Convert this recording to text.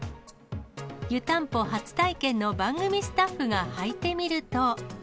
湯たんぽ初体験の番組スタッフが履いてみると。